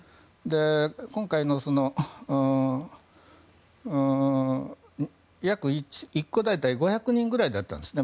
今回の約１個大体５００人くらいだったんですね。